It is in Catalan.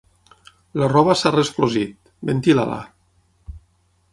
La roba s'ha resclosit: ventila-la.